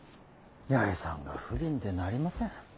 八重さんが不憫でなりません。